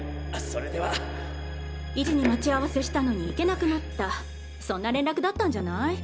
それでは１時に待ち合わせしたのに行けなくなったそんな連絡だったんじゃない？